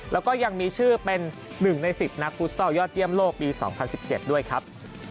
แล้วก็ยังมีชื่อเป็น๑ใน๑๐นักฟุตซอลยอดเยี่ยมโลกปี๒๐๑๗ด้วยครับ